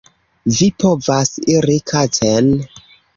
Vi povas iri kacen